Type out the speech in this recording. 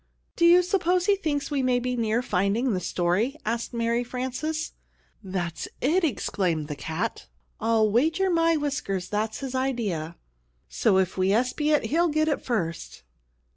"Do you suppose he thinks we may be near finding the story?" asked Mary Frances. "That's it!" exclaimed the cat. "I'll wager my whiskers that's his idea. So that if we espy it he'll get it first."